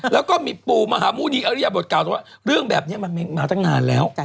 แล้วก็มีปู่มหาหมุณีอริยบทกล่าวว่าเรื่องแบบนี้มันมาตั้งนานแล้ว